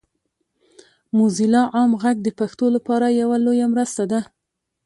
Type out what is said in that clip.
موزیلا عام غږ د پښتو لپاره یوه لویه مرسته ده.